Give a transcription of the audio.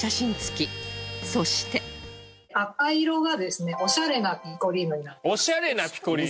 そして赤色がですねおしゃれなピコリーノになってます。